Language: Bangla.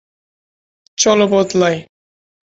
দুজন দুজনকে ভালোবাসে।